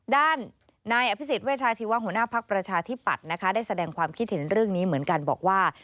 ด้านนายอภิษฎเวชาชีวะหัวหน้าภักดิ์ประชาธิปัตย์นะคะได้แสดงความคิดเห็นเรื่องนี้เหมือนกันบอกว่า